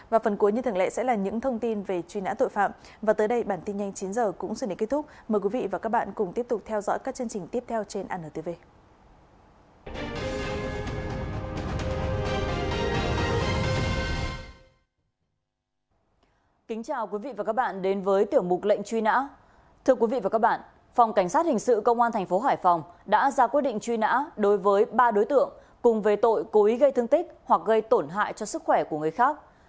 với ba đối tượng cùng về tội cố ý gây thương tích hoặc gây tổn hại cho sức khỏe của người khác